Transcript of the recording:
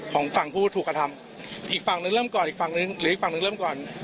ของฝั่งผู้ถูกกระทำอีกฝั่งนึงเริ่มก่อนอีกฝั่งนึงหรืออีกฝั่งหนึ่งเริ่มก่อน